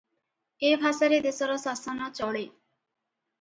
ଏ ଭାଷାରେ ଦେଶର ଶାସନ ଚଳେ ।